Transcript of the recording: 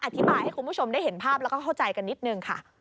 อธิบายให้คุณผู้ชมได้เห็นภาพแล้วก็เข้าใจกันนิดนึงค่ะ